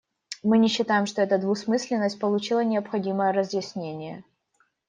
Мы не считаем, что эта двусмысленность получила необходимое разъяснение.